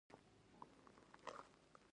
که اوس موټر برابر شو، اوس ځو.